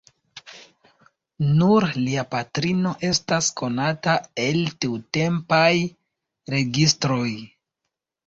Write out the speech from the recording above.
Nur lia patrino estas konata el tiutempaj registroj.